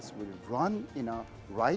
cara yang benar dengan